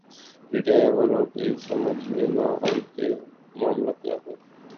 P T I والوں کی سمجھ میں نہ آئی کہ معاملہ کیا ہے۔